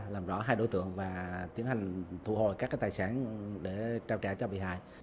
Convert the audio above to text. làm rõ hai đối tượng và tiến hành thu hồi các tài sản để trao trả cho bị hại